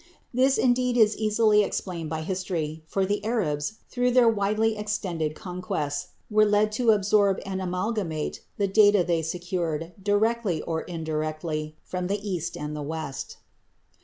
This indeed is easily explained by history, for the Arabs, through their widely extended conquests, were led to absorb and amalgamate the data they secured, directly or indirectly, from the East and the West.